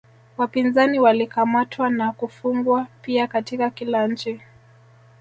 Wapinzani walikamatwa na kufungwa pia Katika kila nchi